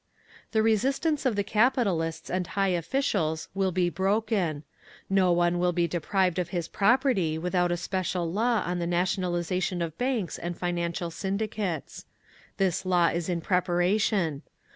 "The resistance of the capitalists and high officials will be broken. No one will be deprived of his property without a special law on the nationalisation of banks and financial syndicates. This law is in preparation.